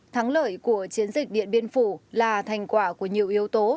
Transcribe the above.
thắng lợi của chiến dịch điện biên phủ là thành quả của nhiều yếu tố